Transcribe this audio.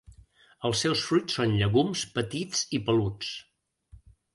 Els seus fruits són llegums petits i peluts.